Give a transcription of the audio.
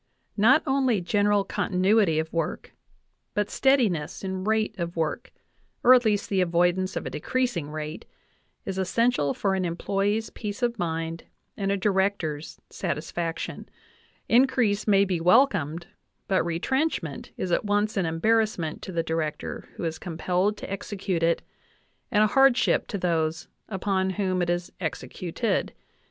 Not only general continuity of work, but steadi ness in rate of work or at least the avoidance of a decreasing rate is essential for an employee's peace of mind and a Di rector's satisfaction ; increase may be welcomed, but retrench ment is at once an embarrassment to the Director who is com pelled to execute it, and a hardship to those upon whom it is executed.